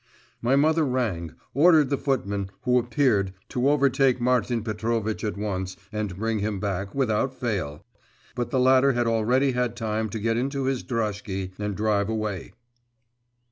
My mother rang, ordered the footman, who appeared, to overtake Martin Petrovitch at once and bring him back without fail, but the latter had already had time to get into his droshky and drive away.